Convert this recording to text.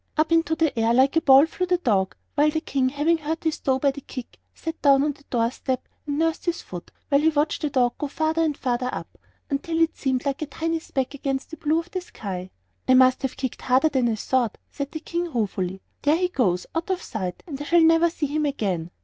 Up into the air like a ball flew the dog, while the King, having hurt his toe by the kick, sat down on the door step and nursed his foot while he watched the dog go farther and farther up, until it seemed like a tiny speck against the blue of the sky. "I must have kicked harder than I thought," said the King, ruefully; "there he goes, out of sight, and I shall never see him again!"